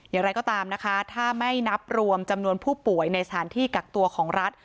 อย่างไรก็ตามนะคะถ้าไม่นับรวมจำนวนผู้ป่วยในสถานที่กักตัวของรัฐ